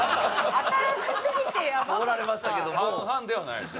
新しすぎてヤバかったおられましたけども半々ではないですよ